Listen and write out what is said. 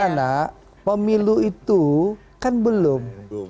anak pemilu itu kan belum